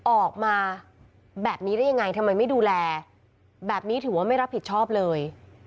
ออกมาแบบนี้ได้ยังไงทำไมไม่ดูแลแบบนี้ถือว่าไม่รับผิดชอบเลย